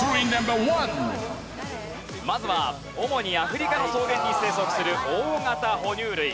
まずは主にアフリカの草原に生息する大型哺乳類。